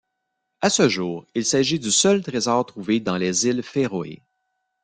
À ce jour, il s'agit du seul trésor trouvé dans les îles Féroé.